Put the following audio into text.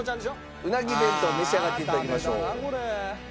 うなぎ弁当召し上がって頂きましょう。